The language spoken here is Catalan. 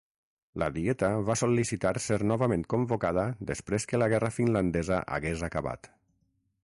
La Dieta va sol·licitar ser novament convocada després que la Guerra finlandesa hagués acabat.